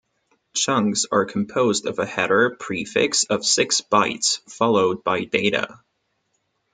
Chunks are composed of a header prefix of six bytes, followed by data.